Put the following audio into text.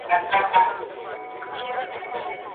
د خوړو مسمومیت په ماشومانو کې ډېر جدي وي.